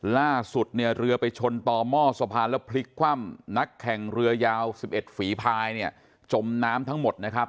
ล่าสุดเนี่ยเรือไปชนต่อหม้อสะพานแล้วพลิกคว่ำนักแข่งเรือยาว๑๑ฝีพายเนี่ยจมน้ำทั้งหมดนะครับ